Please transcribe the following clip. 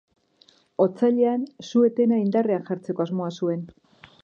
Otsailean, su-etena indarrean jartzeko asmoa zuen.